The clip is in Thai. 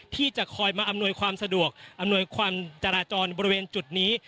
ที่จะคอยมาอำนวยความสะดวกอำนวยความจราจรบริเวณจุดนี้